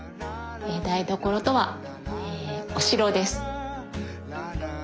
台所とはお城です。